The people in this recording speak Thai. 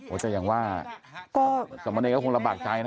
โอ้จะอย่างว่าสรรพ์มะเนธก็คงระบากชายนะ